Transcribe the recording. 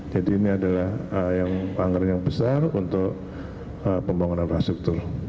jadi ini adalah yang panggilan yang besar untuk pembangunan infrastruktur